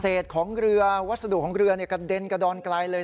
ของเรือวัสดุของเรือกระเด็นกระดอนไกลเลย